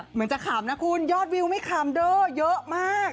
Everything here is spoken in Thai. เหมือนจะขำนะคุณยอดวิวไม่ขำเด้อเยอะมาก